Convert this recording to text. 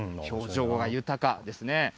表情が豊かですね。